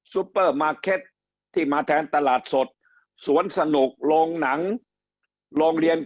ปเปอร์มาร์เก็ตที่มาแทนตลาดสดสวนสนุกโรงหนังโรงเรียน